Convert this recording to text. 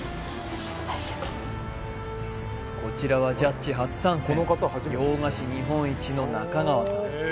こちらはジャッジ初参戦洋菓子日本一の中川さん